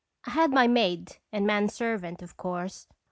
I had my maid and man servant, of course.